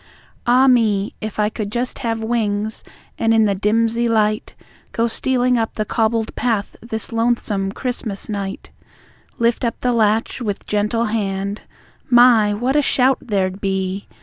Ah me! If I could just have wings, and in the dimsey light Go stealing up the cobbled path this lonesome Christmas night, Lift up the latch with gentle hand My! What a shout there'd be!